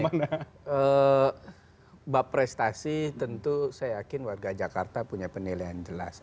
mbak prestasi tentu saya yakin warga jakarta punya penilaian jelas